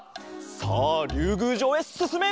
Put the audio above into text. さありゅうぐうじょうへすすめ。